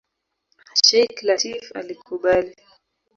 Sheikh Lateef alikubali.